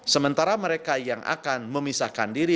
sementara mereka yang akan memisahkan diri